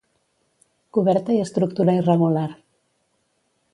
Coberta i estructura irregular.